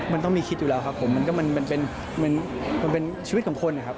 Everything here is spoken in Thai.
มันต้องมีคิดอยู่แล้วครับผมมันก็มันเป็นชีวิตของคนนะครับ